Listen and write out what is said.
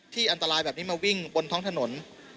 อันตรายแบบนี้มาวิ่งบนท้องถนน